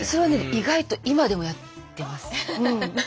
意外と今でもやってますうん。